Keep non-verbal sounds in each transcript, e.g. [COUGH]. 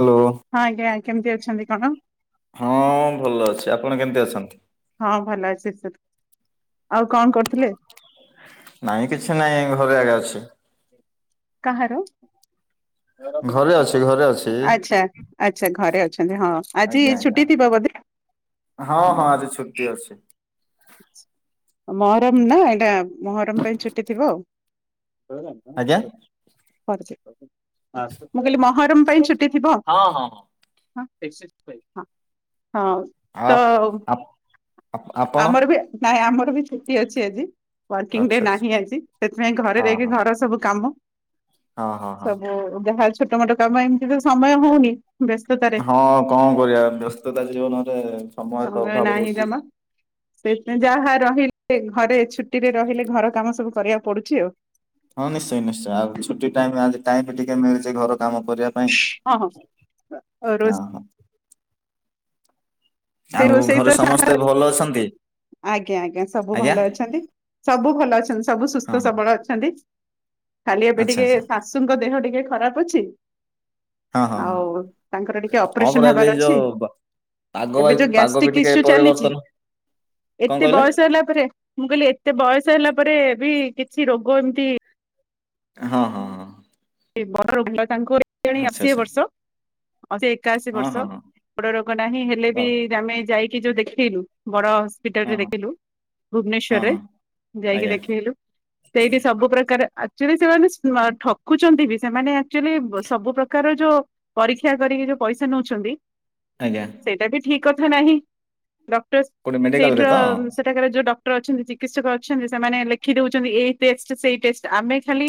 Hello. ହଁ ଆଜ୍ଞା କେମିତି ଅଛନ୍ତି କଣ? ହଁ ଭଲ ଅଛି ଆପଣ କେମତି ଅଛନ୍ତି? ହଁ ଭଲ ଅଛି ସେ ଆଉ କଣ କରୁଥିଲେ? ନାଇଁ କିଛି ନାଇଁ ଘର ଏକା ଅଛି। କାହାର? ଘରେ ଅଛି ଘରେ ଅଛି। ଆଛା ଆଛା ଘରେ ଅଛନ୍ତି ହଁ ଆଜି ଆଜ୍ଞା ଆଜ୍ଞା ଛୁଟି ଥିବ? [UNINTELLIGIBLE] ହଁ ହଁ ଆଜି ଛୁଟି ଅଛି। ମହରମ ନା ଏଟା ମହରମ ପାଇଁ ଛୁଟି ଥିବ ଆଉ। ଆଜ୍ଞା। ମୁଁ କହିଲି ମୋହରମ୍ ପାଇଁ ଛୁଟ ଟି ଥିବ ହଁ ହଁ ହଁ। ଆଁ ହଁ। ହୋଉ ଆ ତ ଆପଣ ଆମର ବି ନାଇଁ ଆମର ବି ଛୁଟି ଅଛି ଆଜି। ୱାର୍କିଂ ଡେ ଆଚ୍ଛା ଆଚ୍ଛା। ନାହିଁ ଆଜି ସେଥିପାଇଁ ଘରେ ହଁ ରହିକି ହଁ। ଘର ସବୁ କାମ ହଁ ହଁ ହଁ। ସବୁ ଯାହା ଛୋଟ ମୋଟ କାମ ଏମିତି ତ ସମୟ ହଉନି ବ୍ୟସ୍ତତାରେ ହଁ କଣ କରିବା ବ୍ୟସ୍ତତା ଜୀବନରେ ସମୟ ତ ଅଭାବ ହଉଚି। ସେ ନା ଯାହା ରହିଲେ ଘରେ ଛୁଟିରେ ରହିଲେ ଘର କାମ ସବୁ କରିବାକୁ ପଡୁଚି ଆଉ। ହଁ ନିଶ୍ଚୟ ନିଶ୍ଚୟ ଆଉ ଛୁଟି ଟାଇମ୍ ଆଜି ଟାଇମ୍ ଟିକେ ମିଳିଚି ଘର କାମ କରିବା ପାଇଁ ହଁ ହଁ ଅଁ ରୋଷେଇ ହଁ। ଆଉ ରୋଷେଇ ତ ଘରେ ଯାହା ସମସ୍ତେ ଭଲ ଅଛନ୍ତି? ଆଜ୍ଞା ଆଜ୍ଞା ସବୁ ଆଜ୍ଞା ଭଲ ଅଛନ୍ତି ସବୁ ଭଲ ଅଛନ୍ତି ସବୁ ହଁ ସୁସ୍ଥ ହଁ ସବଳ ଅଛନ୍ତି। ଖାଲି ଏବେ ଆଚ୍ଛା ଟିକେ ଆଚ୍ଛା। ଶାଶୁଙ୍କ ଦେହ ଟିକେ ଖରାପ ଅଛି। ହଁ ହଁ ହଁ ଆଉ ତାଙ୍କର ଟିକେ ହଁ ପରା ଅପରେସନ୍ ଏବେ ଏଇ ହବାର ଅଛି। ଯୋଉ ପାଗ ଭାଇ ଏବେ ଯୋଉ ପାଗ ବି ଗ୍ୟାଷ୍ଟ୍ରିକ ଟିକେ ଇସ୍ୟୁ ଚାଲିଚି। ପରିବର୍ତ୍ତନ କଣ ଏତେ କହିଲେ? ବୟସ ହେଲା ପରେ ମୁଁ କହିଲି ଏତେ ବୟସ ହେଲା ପରେ ବି କିଛି ରୋଗ ଏମିତି ହଁ ହଁ ହଁ। ବଡ ରୋଗି ତାଙ୍କୁ ଏଣି ଆଚ୍ଛା ଅଶି ଆଚ୍ଛା ବର୍ଷ। ଅଶି ଏକାଅଶୀ ହଁ ବର୍ଷ ହଁ ହଁ ବଡ ରୋଗ ନାହିଁ ହେଲେ ହଁ ବି ଆମେ ଯାଇକି ଯୋଉ ଦେଖେଲୁ ବଡ଼ ହସ ହସ୍ପିଟାଲ ହଁ ରେ ହଁ ଦେଖିଲୁ ହଁ ଭୁବନେଶ୍ୱରରେ ହଁ ଯାଇକି ଆଜ୍ଞା ଦେଖେଇଲୁ। ସେଇଠି ସବୁ ପ୍ରକାର ଆକଚୁଲି ସେମାନେ ସମ ଠ ଦେଖୁଛନ୍ତି କି ସେମାନେ ଆଚୁଆଲି ସବୁ ପ୍ରକାର ଯୋଉ ପରୀକ୍ଷା କରିକି ଯୋଉ ପଇସା ନଉଛନ୍ତି ଆଜ୍ଞା ସେଇଟା ବି ଠିକ କଥା ନାହିଁ। ଡକ୍ଟର କୋଉଠି ସେଇଠ ମେଡିକାଲରେ ର ତ? ସେଠାକ ଯୋଉ ଡ ଅଛନ୍ତି ସେମାନେ ଲେଖି ଦଉଛନ୍ତି, ଏଇ ଟେଷ୍ଟ ସେଇ ଟେଷ୍ଟ ଆମେ ଖାଲି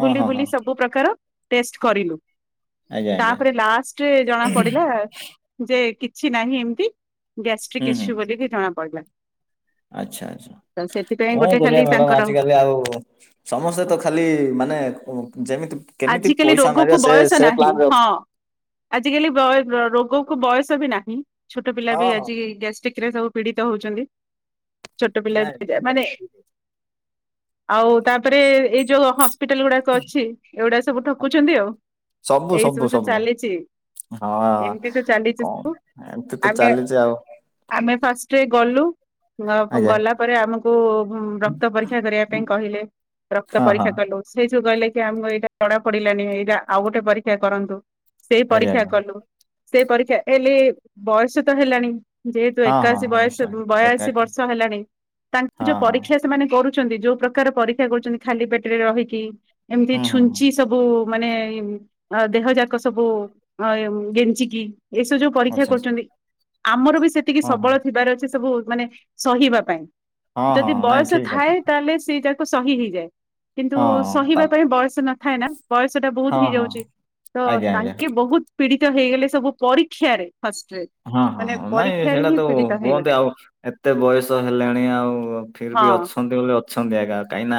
ହଁ ହଁ ହଁ ସବୁ ପ୍ରକାର ଟେଷ୍ଟ କରିଲୁ। ଆଜ୍ଞା ଆଜ୍ଞା ତାପରେ ଲାଷ୍ଟରେ ଜଣା ପଡିଲା ଯେ - ଡାକ୍ତ ରୋଗି କୁ କହିଲା କିଛି ନାହିଁ ହୁଁ ହୁଁ ଗ [UNINTELLIGIBLE] ଆଚ୍ଛା ଆଚ୍ଛା, ସେଥିପାଇଁ କଣ ଗୋଟେ ଖାଲି କରିବା ମ୍ୟାଡାମ ତାଙ୍କର ଆଜିକାଲି ଆଉ ସମସ୍ତେ ତ ଖାଲି ମାନେ ଯେମିତି କେମିତି ଆଜିକାଲି ପଇସା ମାରିବା ରୋଗକୁ ସେ ବୟସ ସେ ନାହିଁ, ପ୍ଲାନ ରେ ହଁ ଅଛନ୍ତି। ଆଜିିକାଲି ଆଗକୁ ବୟସ ବି ନାହିଁ ଛୋଟ ପିଲା ହଁ ବି ହଁ ଆଜି ଗ୍ୟାଷ୍ଟ୍ରିକ ରେ ସବୁ ପୀଡିତ ହଉଛନ୍ତି। ଛୋଟ ପିଲା ନାଇଁ ବି ଯା ଠିକ ମାନେ କଥା ଆଉ ତାପରେ ଏଇ ଯୋଉ ହପିଟାଲ ଗୁଡାକ ଅଛି ଏଗୁଡ଼ା ସବୁ ଠକୁଛନ୍ତି ଆଉ ସବୁ ଏଇ ସବୁ ତ ସବୁ ଚାଲିଛି ହଁ ଏମିତି ତ ଚାଲିଛି ସବୁ କଣ ଏମିତି ତ ଆମେ ଚାଲିଛି ଆଉ ଆମେ ଫାଷ୍ଟରେ ଗଲୁ ଆଜ୍ଞା ଗଲା ପରେ ଆମକୁ ରକ୍ତ ପରୀକ୍ଷା କରିବା ପାଇଁ କହିଲେ ରକ୍ତ ହଁ ହଁ ପରୀକ୍ଷା କଲୁ। ସେଇଠୁ କହିଲେ ଆମକୁ ଏଇଟା ଜଣା ପଡିଲାନି, ଏଇଟା ଆଉ ଗୋଟେ ପରୀକ୍ଷା କରନ୍ତୁ ସେଇ ଆଜ୍ଞା ପରୀକ୍ଷା ଆଜ୍ଞା କଲୁ। ସେ ପରୀକ୍ଷା ହେଲେ, ବୟସ ତ ହେଲାଣି ଯେହେତୁ ହଁ ହଁ ଏକାଅଶି ହଁ ବୟସ ନିଶ୍ଚୟ ଏକା ବୟାଶି ଏକା ବର୍ଷ ହେଲାଣି ତାଙ୍କର ଯୋଉ ପରୀକ୍ଷା ସେମାନେ କରୁ ଯୋଉ ପ୍ରକାର ପରୀକ୍ଷା କରୁଛନ୍ତି ଖାଲି ପେଟରେ ରହିକି ଏମିତି ଛୁଞ୍ଚି ସବୁ ମାନେ ଦେହ ଯାକ ସବୁ ଗେଞ୍ଚିକି ଏସବୁ ଯୋଉ ପରୀକ୍ଷା କରୁଛନ୍ତି ଆମର ବି ସେତିକି ହଁ ସବଳ ହଁ ଥିବାର ଅଛି ସବୁ ମାନେ ସହିବା ପାଇଁ ହଁ ଯଦି ହଁ ନାଇଁ ବୟସ ଠିକ୍ ଥାଏ, କଥା ତାହେଲେ ସେ ସହି ହେଇଯାଏ କିନ୍ତୁ ହଁ ତା ସହିବା ପାଇଁ ବୟସ ନଥାଏ ନା ବୟସ ଟା ହଁ ବହୁତ ହଁ ହେଇଯାଉଛି ତ ଆଜ୍ଞା ଆଜ୍ଞା ତାଙ୍କେ ବହୁତ ପୀଡିତ ହେଇଗଲେ ସବୁ ପରୀକ୍ଷାରେ ଫଷ୍ଟ୍ରେ୍ ହଁ ହଁ ହଁ ନାଇଁ ସେଇଟା ତ ହୁଅନ୍ତି ଆଉ ଏତେ ବୟସ ହେଲେଣି ଆଉ ହଁ ଫିରିବି ଅ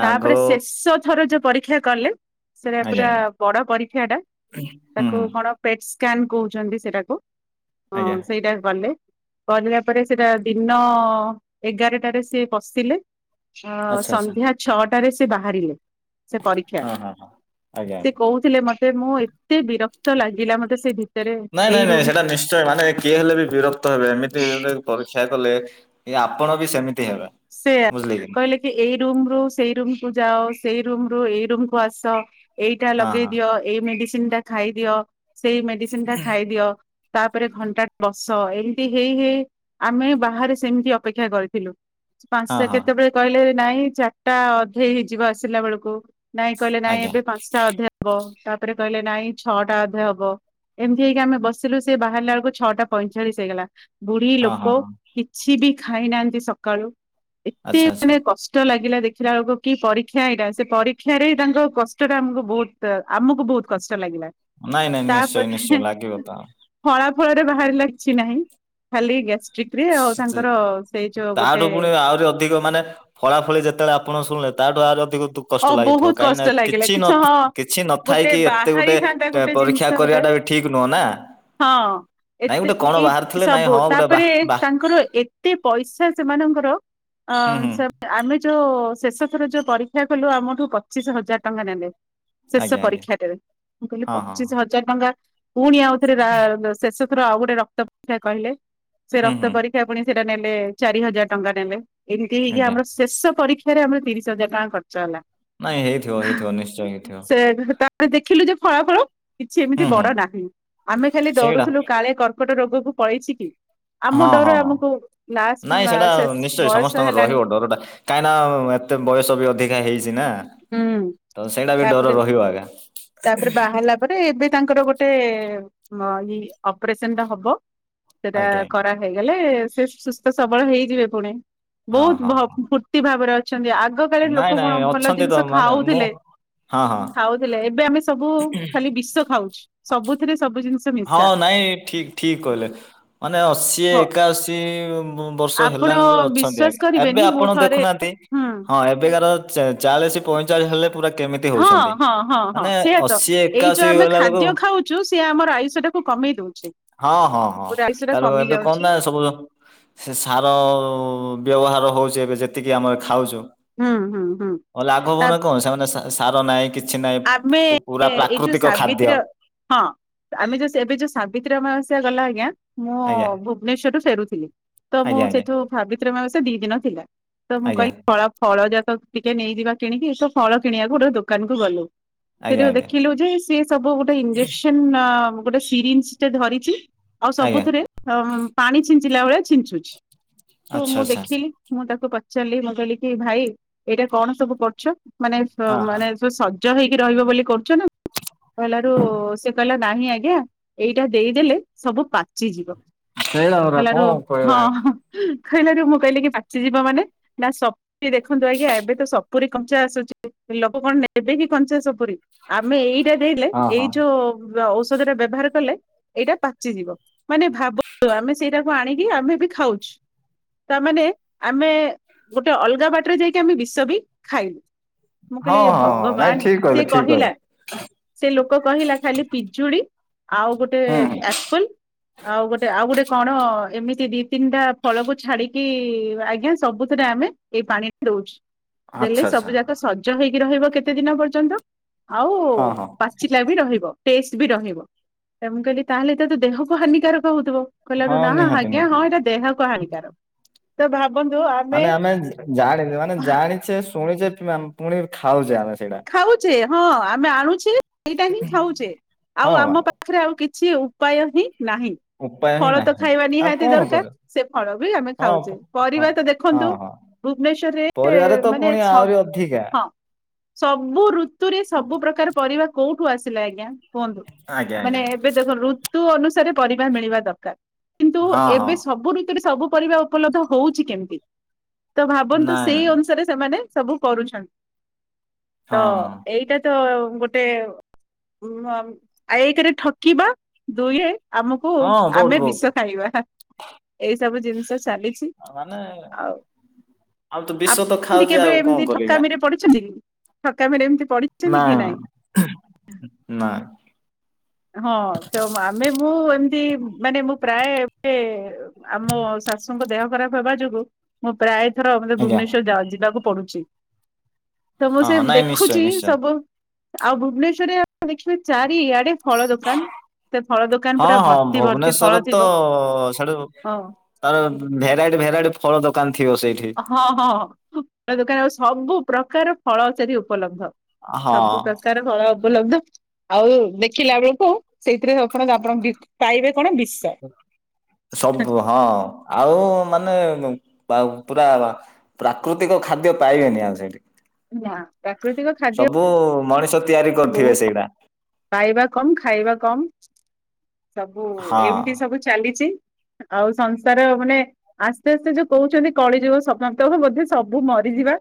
ତାପରେ ଶେଷ ଥର ଯୋଉ ପରୀକ୍ଷା କଲେ ସେଟା ଆଜ୍ଞା ପୁରା ଆଜ୍ଞା ବଡ ପରୀକ୍ଷାଟା ହୁଁ ତାକୁ ହୁଁ କଣ ପେଟ ସ୍କାନ କହୁଛନ୍ତି ସେଟାକୁ ହଁ ଆଜ୍ଞା ସେଇଟା କଲେ। କରିବା ପରେ ସେଟା ଦିନ ଏଗାରଟାରେ ସିଏ ପଶିଲେ ଅ ଆଚ୍ଛା ଆଚ୍ଛା ସନ୍ଧ୍ୟା ଛଅଟାରେ ସେ ବାହାରିଲେ, ସେ ପରୀକ୍ଷା ହଁ ହଁ ଆଜ୍ଞା ସେ କହୁଥିଲେ ମତେ -ମୁଁ ଏତେ ବିରକ୍ତ ଲାଗିଲା ମତେ ସେ ଭିତରେ, ନାଇଁ ନାଇଁ ଏଇ ନାଇଁ ରୁମ ସେଇଟା ନିଶ୍ଚୟ ମାନେ କିଏ ହେଲେ ବି ବିରକ୍ତ ହେବେ, ଏମିତି ପରୀକ୍ଷା କଲେ ଆପଣ ବି ସେମିତି ହେବେ ସେଆ କହିଲେ କି ଏଇ ରୁମ ରୁ ସେଇ ରୁମ କୁ ଯାଅ ସେଇ ର ରୁ ଏଇ ରୁମକୁୁ ଆସ ଏଇଟା ନା ହଁ ଲଗେଇ ହଁ ଦିଅ ଏଇ ମେଡିସିନ ଟା ଖାଇଦିଅ ସେଇ ମେଡିସିନ ଟା ଖାଇଦିଅ ତାପରେ ଘଣ୍ଟାଟା ବସ ଏମିତି ହେଇ ହେଇ ଆମେ ବାହାରେ ସେମିତି ଅପେକ୍ଷା କରିଥିଲୁ। ହଁ ପାଞ୍ଚଟା ହଁ କେତେବେଳେ କହିଲେ ନାଇଁ ଚାରିଟା ଅଧେଇ ହେଇଯିବ ଆସିଲା ବେଳକୁ ନାଇଁ କହିଲେ ନାଇଁ ଆଜ୍ଞା ଏବେ ପାଞ୍ଚଟା ଅଧେ ହବ, ତାପରେ କହିଲେ ନାଇଁ ଛଅଟା ଅଧେ ହବ ଏମିତି ହେଇକି ଆମେ ବସିଲୁ, ସେ ବାହାରିଲା ବେଳକୁ ଛଅଟା ପଇଁ ଚାଳିଶି ହେଇଗଲା। ବୁଢୀ ହଁ ହଁ ଲୋକ ହଁ କିଛି ବି ଖାଇନାହାନ୍ତି ସକାଳୁ ଏତେ ଆଚ୍ଛା ଆଚ୍ଛା ମାନେ କଷ୍ଟ ଲାଗେ ଲାଗିଲା ଦେଖିଲା ବେଳକୁ କି ପରୀକ୍ଷା ଏଇଟା, ସେ ପରୀକ୍ଷାରେ ତାଙ୍କ କଷ୍ଟଟା ଆମକୁ ବହୁତ, ଆମକୁ ବହୁତ କଷ୍ଟ ନାଇଁ ନାଇଁ ନିଶ୍ଚୟ ତାପରେ ନିଶ୍ଚୟ ଲାଗିବ ତ ଫଳରେ ବାହାରିଲା କିଛି ନାହିଁ, ଖାଲି ଗ୍ୟାଷ୍ଟ୍ରିକ ରେ ଆଉ ସ- ସ- ତାଙ୍କର ସେଇ ଯୋଉ ଗୋଟେ ତାଠୁ ପୁଣି ଆହୁରି ଅଧିକ ମାନେ ଫଳା ଫଳି ଯେତେବେଳେ ଆପଣ ଶୁଣେ ତାଠୁ ଆହୁରି ଅଧିକ ବହୁତ କଷ୍ଟ ଅ ଲାଗିଥିବ ବହୁତ କାହିଁନା, କଷ୍ଟ ଲାଗିଲା କିଛି ହଁ କିଛି ନଥାଇ ଗୋଟେ କିି ଏତେ ଗୋଟେ ବାହାରିଥାନ୍ତା ଗୋଟେ ପରୀକ୍ଷା ଜିନିଷ କରିବା ଗୋଟେ ଏରା ଠିକ ନୁହଁ ନା। ହଁ ଏ ନାଇଁ ଗୋଟେ କଣ ଏଇ ବାହାରିଥିଲେ ନାଇଁ ସବୁ ହଁ ଗୋଟେ ବା ତାପରେ ବା ତାଙ୍କର ଏତେ ପଇସା ସେମାନଙ୍କର ହୁଁ ଅଁ ହୁଁ ସେ ଆମେ ଯୋଉ ଶେଷ ଥର ଯୋଉ ପରୀକ୍ଷା କଲୁ ଆମଠୁ ପଚିଶ ହଜାର ଟଙ୍କା ନେଲେ। ଶେଷ ଆଜ୍ଞା ଆଜ୍ଞା ପରୀକ୍ଷାଟରେ ମୁଁ କହିଲି ହଁ ହଁ ପଚିଶ ହଜାର ଟଙ୍କା ପୁଣି ଆଉଥରେ ରା ଶେଷ ତା ଆଉ ଗୋଟେ ରକ୍ତ ପରୀକ୍ଷା କହିଲେ ସେ ହୁଁ ରକ୍ତ ହୁଁ ପରୀକ୍ଷା ପୁଣି ସେଟା ନେଲେ ଚାରି ହଜାର ଟଙ୍କା ନେଲେ। ଏମିତି ହେଇକି ଆଜ୍ଞା ଆମର ଶେଷ ପରୀକ୍ଷା ରେ ଆମର ତିରିଶ ହଜାର ଟଙ୍କା ଖର୍ଚ୍ଚ ହେଲା। ନାଇଁ ହେଇଥିବ ହେଇଥିବ ନିଶ୍ଚୟ ହେଇଥିବ ସେ ତାପରେ ଦେଖିଲୁ ଯେ ଫଳାଫଳ କିଛି ଏମିତି ହୁଁ ହୁଁ ବଡ ନାହିଁ ଆମେ ଖାଲି ସେଇଟା ଦଡରୁଥିଲୁ କାଳେ କର ଟ ଗୋଟେ ରୋଗକୁ ପଳେଇଚି କି? ଆମ ହଁ ଡର ହଁ ହଁ ଆମକୁ ନାଇଁ ସେଟା ଲାଷ୍ଟ ନିଶ୍ଚୟ ବୟସ ସମସ୍ତଙ୍କ ହେଲାଣି ରହିବ ଡରଟା କାହିଁକି ନା ମତେ ବୟସ ବି ଅଧିକ ଚି ନା ହୁଁ ତ ସେଇଟା ବି ତାପରେ ଡର ରହିବ ଆଜ୍ଞା। ତାପରେ ବାହାରିଲା ପରେ ଏବେ ତାଙ୍କର ଗୋଟେ ହଁ ଏଇ ଅପରେସନ ଟା ହବ ସେଟା ଆଜ୍ଞା ଆଜ୍ଞା କରାହଇଗଲେ ସେ ସୁସ୍ଥ ସବଳ ହେଇଯିବେ ପୁଣି ହଁ ବହୁତ ଭ ହଁ ହଁ ଫୁର୍ତ୍ତି ଭାବରେ ଅ ଚନ୍ତି ଆଗ କାଳରେ ନାଇଁ ଲୋକ ନାଇଁ କଣ ଭଲ ଅଛନ୍ତି ତ ଜିନିଷ ମାନେ ମୁଁ ଖାଉଥିଲେ ହଁ ହଁ ଖାଉଥିଲେ ଏବେ ଆମେ ସବୁ ଖାଲି ବିଷ ଖାଉଛୁ। ସବୁଥିରେ ସବୁ ଜିନିଷ ହଁ ମିଶା। ନାଇଁ ଠିକ ଠିକ କହିଲେ ମାନେ ଅଶୀ ହ ଏକାଅଶୀ ଉ ବର୍ଷ ଆପଣ ହେଲାଣି ବଲେ ଅଛନ୍ତି ବିଶ୍ଵାସ ଆଜ୍ଞା ଏବେ କରିବେନି ମୁଁ ଆପଣ ଥରେ ଦେଖୁନାହାନ୍ତି ହୁଁ ହଁ ଏବେକାର ଚା ଚାଳିଶ ପଇଚାଳିଶି ହେଲେ ପୁରା କେମିତି ହଁ ହଉଛନ୍ତି ହଁ ହଁ ହଁ ମାନେ ସେଇଆ ତ। ଅଶୀ ଏଇ ଏକାଅଶି ଯୋଉ ଆମେ ଗଲା ବେଳକୁ ଖାଦ୍ୟ ଖାଉଛୁ ସିଏ ଆମର ଆୟୁଷ ଟାକୁ କମେଇ ଦଉଛି। ହଁ ହଁ ହଁ ପୁରା ଆୟୁଷ ଟା ତାର କମି ଏବେ କଣ ଯାଉଛି ନା ସବୁ ସାର ବ୍ୟବହାର ହେଉଛି ଏବେ ଯେତିକି ଆମେ ଖାଉଛୁ ହୁଁ ହୁଁ ହୁଁ ହଉ ଆଗକୁ ତାପରେ ନା କଣ ସେମାନେ ସା ସାର ନାହିଁ। କିଛି ନାହିଁ ଆମେ ପୁ ପୁରା ଏଇ ଯୋଉ ପ୍ରାକୃତିକ ଖାଦ୍ୟ ସାବିତ୍ରୀ ହଁ। ଆମେ ଯୋଉ ଏବେ ଯୋଉ ସାବିତ୍ରୀ ଅମାବାସ୍ୟା ଗଲା ଆଜ୍ଞା। ମୁଁ ଆଜ୍ଞା ଭୁବନେଶ୍ଵରରୁ ଫେରୁଥିଲି ତ ମୁଁ ଆଜ୍ଞା ଆଜ୍ଞା ସେଇଠୁ ସାବିତ୍ରୀ ଅମାବାସ୍ୟା ଦି ଦିନ ଥିଲା। ତ ମୁଁ ଆଜ୍ଞା କହିଲି ଫଳ ଫଳ ଯାକ ଟିକେ ନେଇଯିବା କିଣିକି ତ ଫଳ କିଣିବାକୁ ଗୋଟେ ଦୋକାନ କୁ ଗଲୁ। ଆଜ୍ଞା ସେଠି ଆଜ୍ଞା ଦେଖିଲୁ ଯେ ସିଏ ସବୁ ଗୋଟେ ଇଞ୍ଜେକ୍ସନ ଅ ଗୋଟେ ସିରି ଟେ ଧରିଛି ଆଉ ଆଜ୍ଞା ସବୁଥିରେ ଅ ପାଣି ଛିଞ୍ଚିଲା ଭଳିଆ ଛିଞ୍ଚୁଛି। ତ ଆଚ୍ଛା ମୁଁ ଆଚ୍ଛା ଆଚ୍ଛା ଦେଖିଲି ମୁଁ ତାକୁ ପଚାରିଲି ମୁଁ କହିଲି କି ଭାଇ ଏଇଟା କଣ ସବୁ କରୁଛ? ମାନେ ହଁ ହଁ ମାନେ ସ ସଜ ହେଇକି ରହିବ ବୋଲି କରୁଛ ନା କହିଲାରୁ ସେ କହିଲା ନାହିଁ ଆଜ୍ଞା ଏଇଟା ଦେଇଦେଲେ ସବୁ ପାଚିଯିବ। ସେଇଟା ପରା କହିଲାରୁ କଣ କହିବା ହଁ। କହିଲାରୁ ମୁଁ କହିଲି କି ପାଚିଯିବ ମାନେ ନା ସପୁରି ଦେଖନ୍ତୁ ଆଜ୍ଞା ଏବେ ତ ସପୁରୀ କଞ୍ଚା ଆସୁଛି ଲୋକ କଣ ନେବେ କି କଞ୍ଚା ସପୁରୀ ଆମେ ଏଇଟା ଦେଇ ଦେଲେ ହଁ ଏଇ ହଁ ଯୋଉ ଅ ଔଷଧଟା ବ୍ୟବହାର କଲେ ଏଇଟା ପାଚିଯିବ ମାନେ ଭାବନ୍ତୁ ଆମେ ସେଇଟାକୁ ଆଣିକି ଆମେ ବି ଖାଉଛି। ତାମାନେ ଆମେ ଗୋଟେ ଅଲଗା ବାଟରେ ଯାଇକି ଆମେ ବିଷ ବି ଖାଇଲୁ। ମୁଁ ହଁ କହିଲି ହଁ ନାଇଁ ଭଗବାନ ଠିକ କହିଲେ ସିଏ ଠିକ କହିଲା କହିଲେ। ସେ ଲୋକ କହିଲା ଖାଲି ପିଜୁଳି ଆଉ ଗୋଟେ ହୁଁ ହୁଁ ଆପଲ ଆଉ ଗୋଟେ ଆ ଆଉ ଗୋଟେ କଣ ଏମିତି ଦି ତିନିଟା ଫଳକୁ ଛାଡିକି ଆଜ୍ଞା ସବୁଥିରେ ଆମେ ଏଇ ପାଣି ଦଉଛୁ ଦେଲେ ଆଚ୍ଛା ଆଚ୍ଛା ସବୁ ଯାଙ୍କ ସଜ ହେଇକି ରହିବ କେତେ ଦିନ ପର୍ଯ୍ୟନ୍ତ ଆଉ ହଁ ହଁ ପାଚିଲା ବି ରହିବ। ଟେଷ୍ଟ ବି ରହିବ ତ ମୁଁ କହିଲି ତାହେଲେ ତ ଦେହକୁ ହାନିକାର ହଉଥିବ କହିଲାରୁ ହଁ ନା ନିହାତି ଆଜ୍ଞା ନିହାତି ହଁ ଏଇଟା ଦେହ ହାନିକର ତ ଭାବ ମାନେ ଆମେ ଜା ଜାଣି ମାନେ ଜାଣିଛେ ଶୁଣିଛେ [UNINTELLIGIBLE] ପୁଣି ଖାଉଛେ ଆମେ ସେଇଡ଼ା। ଖାଉଛେ ହଁ ଆମେ ଆଣୁଛେ ସେଇଟା ହିଁ ଖାଉଚେ ଆଉ ହଁ ବା ଆମ ପାଖରେ ଆଉ କିଛି ଉପାୟ ହିଁ ନାହିଁ। ଉପାୟ ହିଁ ଫଳ ତ ନାହିଁ ଖାଇବା ଆଉ ନିହାତି କଣ ଦରକାର କରିବା ସେ ଫଳ ବି ଆମେ ହଁ ଖାଉଚେ ପ- ହଁ ପରିବା ତ ହଁ ଦେଖନ୍ତୁ ହଁ ଭୁବନେଶ୍ଵରରେ ପରିବାରେ ତ ମାନେ ପୁଣି ସବ ଆହୁରି ଅଧିକା ହଁ। ସବୁ ଋତୁରେ ସବୁ ପ୍ରକାର ପରିବା କୋଉଠୁ ଆସିଲା ଆଜ୍ଞା। କୁହନ୍ତୁ। ଆଜ୍ଞା ଆଜ୍ଞା ମାନେ ଏବେ ଦେଖ ଋତୁ ଅନୁସାରେ ପରିବା ମିଳିବା ଦରକାର। କିନ୍ତୁ ହଁ ହଁ ଏବେ ସବୁ ଋତୁରେ ସବୁ ପରିବା ଉପଲବ୍ଧ ହଉଛି କେମିତି? ତ ଭାବନ୍ତୁ, ନାଇଁ ସେଇ ନାଇଁ ଅନୁସାରେ ସେମାନେ ସବୁ କରୁଛନ୍ତି। ହଁ ତ, ହଁ ଏଇଟା ତ ଗୋଟେ ଉ ଏକରେ ଠକିବା ଦୁଇରେ ଆମକୁ, ହଁ ବହୁତ ଆମେ ବହୁତ ବିଷ ଖାଇବା। ଏଇ ସବୁ ଜିନିଷ ଚାଲିଛି। ମାନେ ଆଉ ଆଉ ତ ବିଷ ତ ଆପଣ ଏ ଖାଉଛି କେବେ, ଆଉ କଣ ଏମତି କରିବି ଆ। ଠକାମିରେ ପଡୁଛନ୍ତି କି? ଠକାମିରେ ଏମତି ପଢିଛନ୍ତି କି ନାଇଁ? ନାଇଁ ହଁ, ଆମେ ମୁଁ ଏମତି, ମାନେ ମୁଁ ପ୍ରାୟ, ଏବେ ଆମ ଶାଶୁଙ୍କ ଦେହ ଖରାପ ହେବା ଯୋଗୁଁ, ମୁଁ ପ୍ରାୟ ଥର ଆଜ୍ଞା ଭୁବନେଶ୍ଵର ଯାଉଛି ଯିବାକୁ ପଡୁଛି। ତ ମୁଁ ହଁ ସେ ହଁ ନାଇଁ ନିଶ୍ଚୟ ଦେଖୁଛି ନିଶ୍ଚୟ ସବୁ ଆଉ ଭୁବନେଶ୍ୱରରେ ଆପ ଦେଖିବେ ଚାରିଆଡେ ଫଳ ଦୋକାନ। ସେ ଫଳ ଦୋକାନ ହଁ, ପୁରା ହଁ ଭର୍ତ୍ତି ଭର୍ତ୍ତି ଫଳ ଭୁବନେଶ୍ଵରରେ ତ, ଥିବ ସେଠୁ ହଁ ତାର ଭେରାଇଟି ଭେରାଇଟି ଫଳ ଦୋକାନ ଥିବ ସେଇଠି। ହଁ, ହଁ ଦୋକାନ ଆଉ ସବୁ ପ୍ରକାର ଫଳ ସେଠି ଉପଲବ୍ଧ। ହଁ ସବୁ ପ୍ରକାର ଫଳ ଉପଲବ୍ଧ। ଆଉ ଦେଖିଲା ବେଳକୁ ସେଇଥିରେ, ଆପଣ ଆପଣ ପାଇବେ କଣ ବିଷ। ସବୁ, ହଁ ଆଉ ମାନେ, ପୁରା ପ୍ରାକୃତିକ ଖାଦ୍ୟ ପାଇବେନି ଆଉ ସେଇଠି। ନା, ପ୍ରାକୃତିକ ଖାଦ୍ୟ ସବୁ ମଣିଷ ତିଆରି କରିଥିବେ ବହୁତ ସେଇଟା ପାଇବା କମ୍, ଖାଇବା କମ୍। ସବୁ, ହଁ ଏମିତି ସବୁ ଚାଲିଛି। ଆଉ ସଂସାର, ମାନେ ଆସ୍ତେ ଆସ୍ତେ ଯୋଉ କହୁଛନ୍ତି କଳିଯୁଗ ସମାପ୍ତ ହେବ। ସେ ସବୁ ମରି ଯିବା।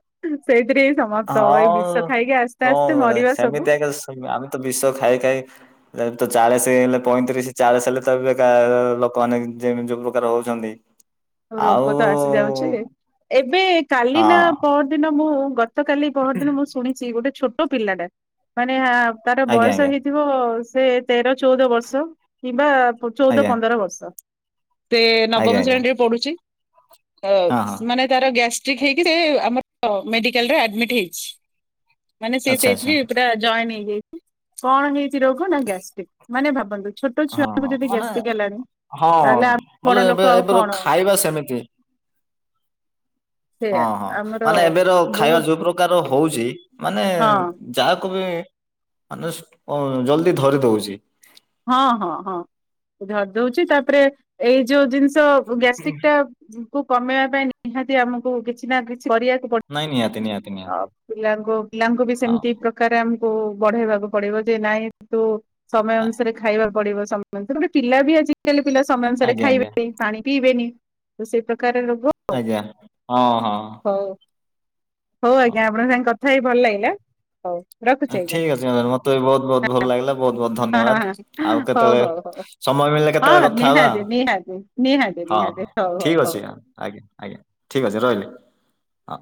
ସେଇଥିରେ ଏଇ ସମସ୍ତ ହେବ। ଏଇ ବିଷ ହଁ ଖାଇକି ଆସ୍ତେ କଣ ଆସ୍ତେ କରିବା ମରିବା ସବୁ। ସେମିତି ଆଜ୍ଞା ସ ଆମେ ତ ବିଷ ଖାଇ ଖାଇ ଅ ଚାଳିଶ ହେଲେ, ପଇଁତିରିଶ ଚାଳିଶ ହେଲେ ତ ଏବେ ଅନେକ ଯେ ଯୋଉ ପ୍ରକାର ହଉଛନ୍ତି। ଆଉ ରୋଗ ତ ଆସି ଯାଉଛି। ଏବେ କାଲି ନା ହଁ ପର ଦିନ ମୁଁ ଗତ କାଲି ପହରଦିନ, ମୁଁ ଶୁଣିଛି ଗୋଟେ ଛୋଟ ପିଲାଟା। ମାନେ ତାର ଆଜ୍ଞା ବୟସ ଆଜ୍ଞା ହେଇଥିବ ସେ ତେର ଚଉଦ ବର୍ଷ କିମ୍ବା ଚଉଦ ଆଜ୍ଞା ପନ୍ଦର ବର୍ଷ। ସେ ଆଜ୍ଞା ନବମ ଆଜ୍ଞା ଶ୍ରେଣୀରେ ପଡୁଛି। ତ, ହଁ ହଁ। ମାନେ ତାର ଗ୍ୟା [UNINTELLIGIBLE] ମେଡିକାଲରେ ଆଡମିଟ ହେଇଛି। ମାନେ, ସେ ଆଚ୍ଛା ସେଇଥି ଆଚ୍ଛା ବି ପୁରା ଜଏନ୍ ହେଇଯାଇଛି। କଣ ହେଇଛି ରୋଗ, ନା ଗ୍ୟାଷ୍ଟ୍ରିକ। ମାନେ ଭାବନ୍ତୁ ଛୋଟ ହଁ, ଛୁଆଙ୍କୁ ହଁ ଯଦି ମାନେ ଗ୍ୟାଷ୍ଟ୍ରିକ ହେଲାଣି ହଁ, ତାହେଲେ ଆମ ବଡ ବୋଲେ ଲୋକ ଏବେ ଆଉ ଏବେ କଣ ଖାଇବା ସେମିତି। କି ସେ ହଁ, ହଁ ଆମର ମାନେ ଏବେର ବହୁତ ଖାଇବା ଯୋଉ ପ୍ରକାର ହଉଛି। ମାନେ ହଁ ଯାହାକୁ ବି ମାନେ ଅ ଜଲଦି ଧରି ଦଉଛି। ହଁ, ହଁ, ହଁ ଧରିଦଉଛି। ତାପରେ ଏଇ ଯୋଉ ଜିନିଷ ସ ଗ୍ୟାଷ୍ଟ୍ରିକ ଟା କୁ କମେଇବା ପାଇଁ, ନିହାତି ଆମକୁ କିଛି ନା କିଛି କରିବାକୁ ପଡିବ। ନାଇଁ ନିହାତି ନିହାତି ନିହାତି ଆଉ ପିଲାଙ୍କୁ ପିଲାଙ୍କୁ ବି ହଁ। ସେମିତି ପ୍ରକାର ଆମ କୁ ବଢେଇବାକୁ ପଡିବ। ଯେ ନାଇଁ, କିନ୍ତୁ ସମୟ ଆ- ଅନୁ ଖାଇବା ପଡିବ ସମୟ। ଗୋଟେ ପିଲା ବି ଆଜିକାଲି ପିଲା ସମୟ ଅନୁସାରେ ଆଜ୍ଞା ଆଜ୍ଞା ଖାଇବେନି, ପାଣି ପିଇବେନି। ତ ସେଇ ପ୍ରକାର ରୋଗ ଆଉ। ଆଜ୍ଞା ହଁ ହଁ ହଉ। ହଉ ଆଜ୍ଞା, ଆପଣଙ୍କ ସାଙ୍ଗେ କଥା ହେଇ ଭଲ ଲାଗିଲା। ହଉ। ରଖୁଛି ଆଜ୍ଞା ଠିକ୍ ଅଛି ମ୍ୟାମ ମତେ ବି ବହୁତ ବହୁତ ଭଲ ଲାଗିଲା। ବହୁତ ବହୁତ ହଁ ହଁ ଧନ୍ୟବାଦ। ହଁ ଆଉ ହଉ ହଉ ହଉ। କେତେବେଳେ ସମୟ ମିଳିଲେ, କେତେବେଳେ ହଁ କଥା ହବା। ନିହାତି ନିହାତି ନିହାତି ନିହାତି ହଁ, ହଉ ହଉ ଠିକ ହଉ। ଅଛି। ଆଜ୍ଞା, ଆଜ୍ଞା ଆଜ୍ଞା ଠିକ ଅଛି, ରହିଲି। ହଁ।